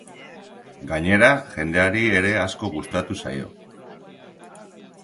Gainera, jendeari ere asko gustatu zaio.